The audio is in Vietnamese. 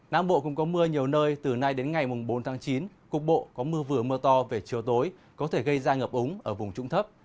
nắng bộ cũng có mưa nhiều nơi từ nay đến ngày bốn tháng chín cục bộ có mưa vừa mưa to về chiều tối có thể gây ra ngập ống ở vùng trụng thấp